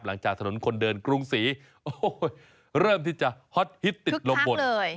หลังจากถนนคนเดินกรุงศรีโอ้โหเริ่มที่จะฮอตฮิตติดลมบน